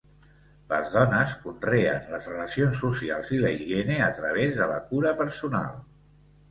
Les dones conreen les relacions socials i la higiene a través de la cura personal.